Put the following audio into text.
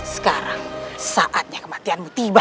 sekarang saatnya kematianmu tiba